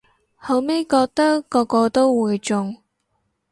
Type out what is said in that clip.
後咪覺得個個都會中